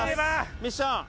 ミッション。